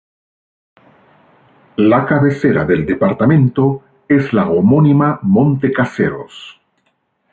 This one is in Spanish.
La cabecera del departamento es la homónima Monte Caseros.